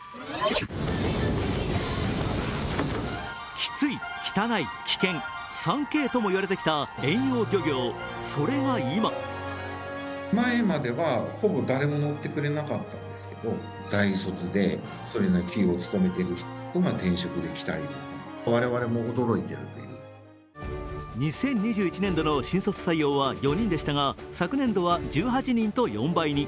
キツイ・汚い・危険３Ｋともいわれてきた遠洋漁業それが今２０２１年度の新卒採用は４人でしたが、昨年は１８人と４倍に。